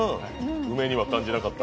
梅には感じなかった？